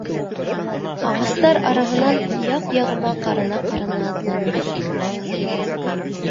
Ағастар араһынан яҡ-яғыма ҡарана-ҡарана атланым.